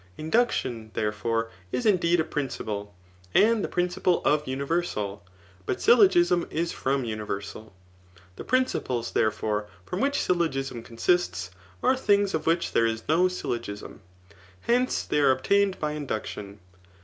Indue* tion, therefore, is indeed a principle, and the principle of universal ;' but syllogism is from universal. The prind* pies, therefore, from which syllogism consists, are diings of which there is no syllogism.* Hence, they are obtained by induction.